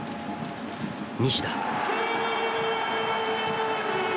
西田。